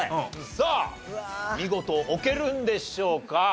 さあ見事置けるんでしょうか？